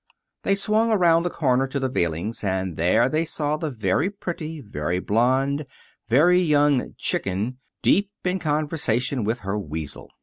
They swung around the corner to the veilings, and there they saw the very pretty, very blond, very young "chicken" deep in conversation with her weasel.